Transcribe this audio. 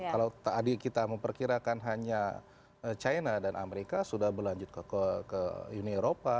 kalau tadi kita memperkirakan hanya china dan amerika sudah berlanjut ke uni eropa